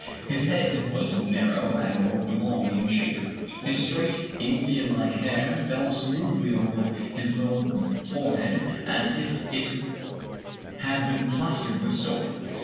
His head was narrow and oblong in shape. His straight In dianlike hair fell smoothly over his low forehead as if it had been plastered with soap.